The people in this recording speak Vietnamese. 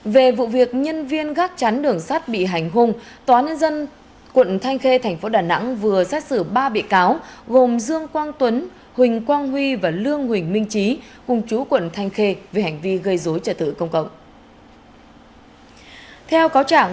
về vụ việc nhân viên gác chắn đường sắt bị hành hung tòa nhân dân quận thanh khê thành phố đà nẵng vừa xét xử ba bị cáo gồm dương quang tuấn huỳnh quang huy và lương huỳnh minh trí cùng chú quận thanh khê về hành vi gây dối trật tự công cộng